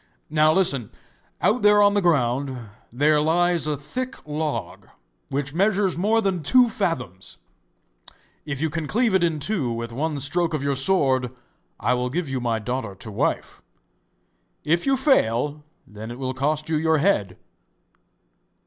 Now, listen; out there on the ground, there lies a thick log, which measures more than two fathoms; if you can cleave it in two with one stroke of your sword, I will give you my daughter to wife. If you fail, then it will cost you your head.